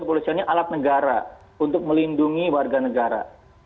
kepolisian ini alat negara untuk melindungi warga negara